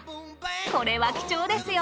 これは貴重ですよ。